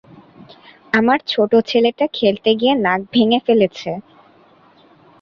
আমার ছোট ছেলেটা খেলতে গিয়ে নাক ভেঙে ফেলেছে।